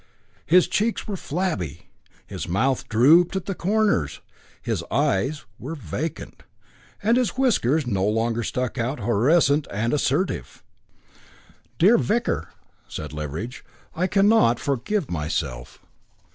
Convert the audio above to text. His cheeks were flabby, his mouth drooped at the corners, his eyes were vacant, and his whiskers no longer stuck out horrescent and assertive. "Dear vicar," said Leveridge, "I cannot forgive myself."